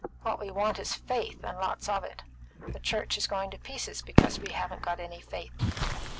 "What we want is faith, and lots of it. The church is going to pieces because we haven't got any faith."